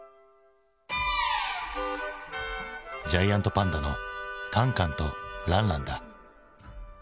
ジャイアントパンダのカンカンとランランだ。